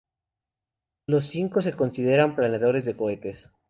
Los cinco se consideran planeadores de cohetes.